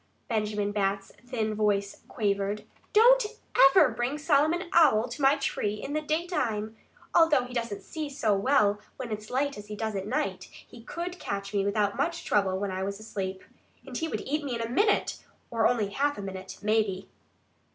Benjamin Bat's thin voice quavered. "Don't EVER bring Solomon Owl to my tree in the daytime. Although he doesn't see so well when it's light as he does at night, he could catch me without much trouble when I was asleep. And he would eat me in a minute or only half a minute, maybe."